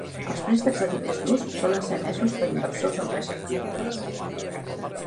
Els préstecs de diners durs solen ser emesos per inversors o empreses privades.